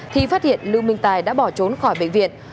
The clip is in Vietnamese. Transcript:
thì phát hiện lương minh tài đã bỏ trốn khỏi bệnh viện